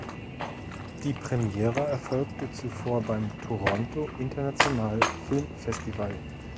Die Premiere erfolgte zuvor beim Toronto International Film Festival.